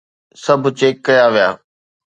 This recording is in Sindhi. سڀ چيڪ ڪيا ويا